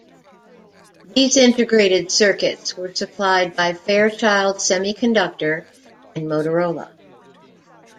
These integrated circuits were supplied by Fairchild Semiconductor and Motorola.